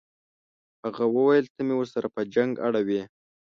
هغه وویل ته مې ورسره په جنګ اړوې.